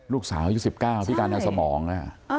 ลูกสาว๑๙ที่กาญาสมองนะฮะ